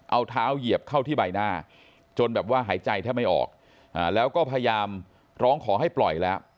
เอาเท้าเหยียบเข้าที่ใบหน้าจนแบบว่าหายใจแทบไม่ออกแล้วก็พยายามร้องขอให้ปล่อยแล้ว